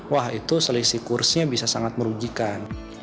wah itu selisih kursinya bisa sangat merugikan